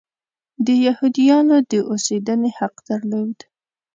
د یهودیانو د اوسېدنې حق درلود.